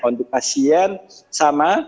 untuk pasien sama